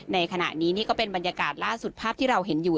ในขณะนี้นี่ก็เป็นบรรยากาศล่าสุดภาพที่เราเห็นอยู่